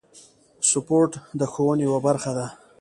سپورت د ښوونې یوه برخه ده.